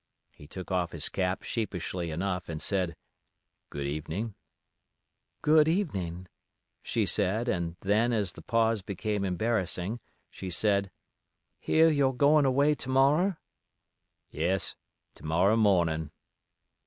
He took off his cap sheepishly enough, and said, "Good evenin'." "Good evenin'," she said, and then, as the pause became embarrassing, she said, "Hear you're agoin' away to morrer?" "Yes—to morrer mornin'."